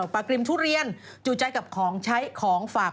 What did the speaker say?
ปลากริมทุเรียนจูดใจกับของใช้ของฝาก